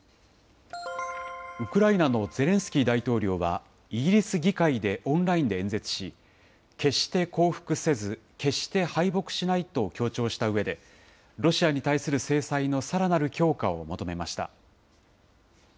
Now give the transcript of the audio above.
ウクライナのゼレンスキー大統領は、イギリス議会でオンラインで演説し、決して降伏せず、決して敗北しないと強調したうえで、ロシアに対する制裁のさらなる強化を求めました。